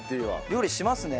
料理しますね。